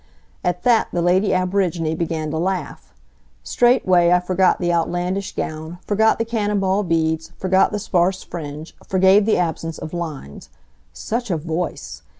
At that the lady aborigine began to laugh. Straightway I forgot the outlandish gown, forgot the cannon ball beads, forgot the sparse fringe, forgave the absence of "lines." Such a voice!